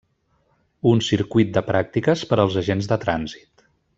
Un circuit de pràctiques per als agents de trànsit.